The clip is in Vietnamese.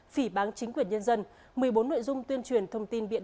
phỉ bán chính quyền nhân dân một mươi bốn nội dung tuyên truyền thông tin việt nam